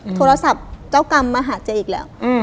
โทรศัพท์เจ้ากรรมมาหาเจ๊อีกแล้ว